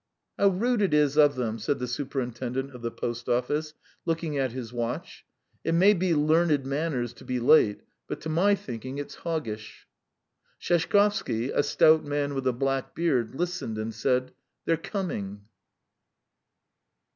..." "How rude it is of them!" said the superintendent of the post office, looking at his watch. "It may be learned manners to be late, but to my thinking it's hoggish." Sheshkovsky, a stout man with a black beard, listened and said: "They're coming!"